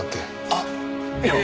あっええ。